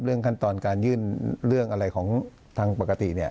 ขั้นตอนการยื่นเรื่องอะไรของทางปกติ